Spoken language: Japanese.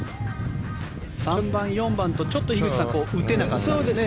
３番、４番とちょっと樋口さん打てなかったんですよね。